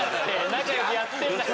仲よくやってんだから。